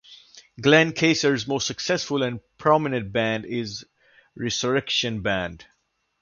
Glenn Kaiser's most successful and prominent band is Resurrection Band.